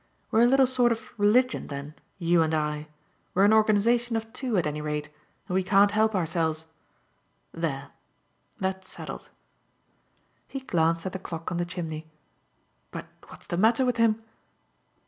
We're a little sort of religion then, you and I; we're an organisation of two, at any rate, and we can't help ourselves. There that's settled." He glanced at the clock on the chimney. "But what's the matter with him?"